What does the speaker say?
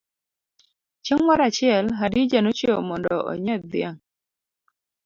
Chieng' moro achiel, Hadija nochiewo mondo onyiedh dhiang.